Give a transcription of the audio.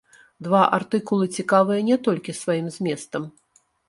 Два артыкулы цікавыя не толькі сваім зместам.